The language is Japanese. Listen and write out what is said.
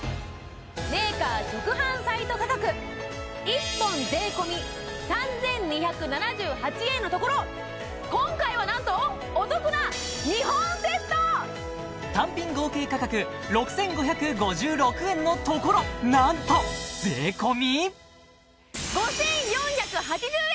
メーカー直販サイト価格１本税込３２７８円のところ今回はなんと単品合計価格６５５６円のところなんと税込５４８０円